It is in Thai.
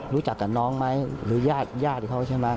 รู้จักกับน้องไหมหรือญาติญาติเขาใช่ไหม